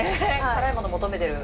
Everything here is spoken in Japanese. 辛いもの求めてる。